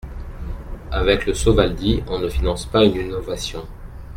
Avec le Sovaldi on ne finance pas une innovation.